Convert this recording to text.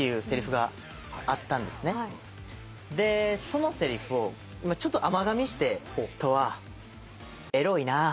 そのせりふをちょっと甘がみして「斗亜エロいなぁ」